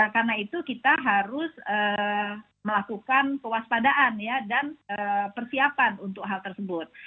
karena itu kita harus melakukan kewaspadaan dan persiapan untuk hal tersebut